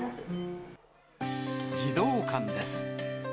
児童館です。